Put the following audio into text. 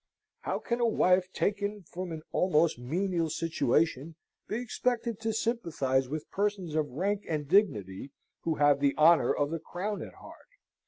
How can a wife taken from an almost menial situation be expected to sympathise with persons of rank and dignity who have the honour of the Crown at heart?